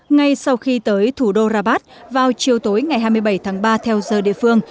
ngay sau khi tới thủ đô rabat vào chiều tối ngày hai mươi bảy tháng ba theo giờ địa phương